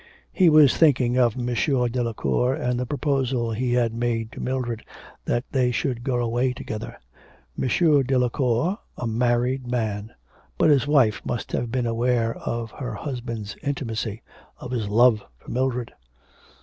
He was thinking of M. Delacour and the proposal he had made to Mildred, that they should go away together. M. Delacour, a married man! But his wife must have been aware of her husband's intimacy, of his love for Mildred.